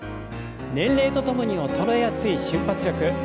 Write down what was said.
年齢とともに衰えやすい瞬発力。